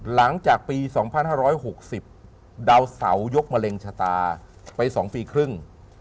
หลังจากปีสองพันห้าร้อยหกสิบเดาเสายกมะเร็งชะตาไปสองปีครึ่ง